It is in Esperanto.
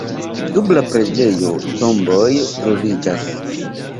Sub la preĝejo tomboj troviĝas.